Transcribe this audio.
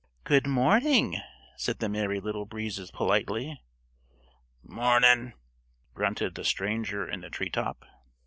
"Good morning," said the Merry Little Breezes politely. "Mornin'," grunted the stranger in the treetop.